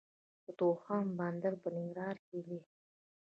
د تورخم بندر په ننګرهار کې دی